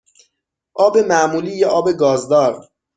آب معمولی یا آب گازدار؟